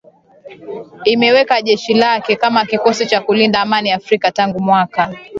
imeweka jeshi lake kama kikosi cha kulinda amani Afrika Tangu mwaka